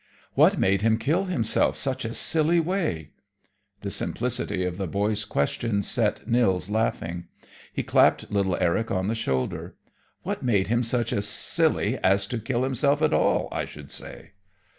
"What made him kill himself such a silly way?" The simplicity of the boy's question set Nils laughing. He clapped little Eric on the shoulder. "What made him such a silly as to kill himself at all, I should say!"